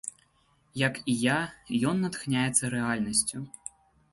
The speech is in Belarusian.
Як і я, ён натхняецца рэальнасцю.